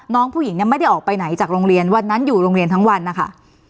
น้องผู้หญิงเนี่ยไม่ได้ออกไปไหนจากโรงเรียนวันนั้นอยู่โรงเรียนทั้งวันนะคะ